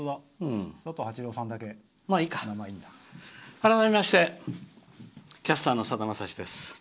改めまして、キャスターのさだまさしです。